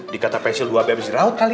dikata pensil dua bebs jerawat kali